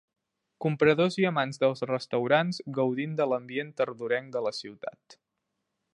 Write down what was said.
Compradors i amants dels restaurants gaudint de l'ambient tardorenc de la ciutat.